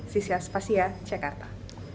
terima kasih pak tata